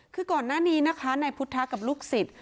คือก่อนหน้านี้นะคะนายพุทธกับลูกศิษย์